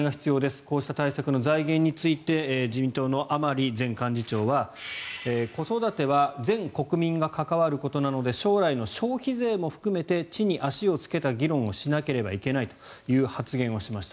こうした対策の財源について自民党の甘利前幹事長は子育ては全国民が関わることなので将来の消費税も含めて地に足をつけた議論をしなければいけないという発言をしました。